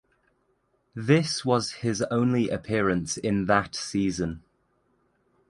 This was his only appearance in that season.